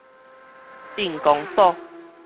鎮公所